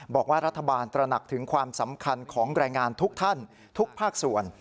บอกว่ารัฐบาลตระหนักถึงความสำคัญของแรงงานทุกท่านทุกภาคส่วน